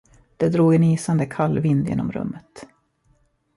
Det drog en isande kall vind genom rummet.